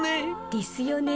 ですよね。